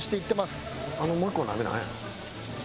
あのもう１個の鍋なんや？